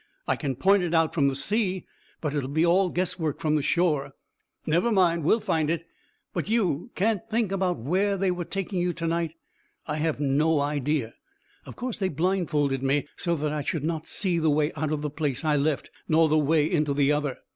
"I can point it out from the sea, but it will be all guess work from the shore." "Never mind; we'll find it. But you can't think about where they were taking you to night?" "I have no idea. Of course they blindfolded me, so that I should not see the way out of the place I left, nor the way into the other."